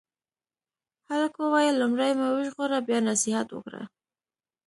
هلک وویل لومړی مې وژغوره بیا نصیحت وکړه.